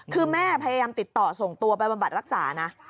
คือแม่พยายามติดต่อส่งตัวไปบำบัดรักษานะ